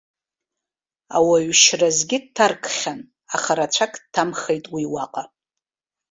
Ауаҩшьразгьы дҭаркхьан, аха рацәак дҭамхеит уи уаҟа.